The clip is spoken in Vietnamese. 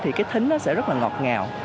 thì cái thính nó sẽ rất là ngọt ngào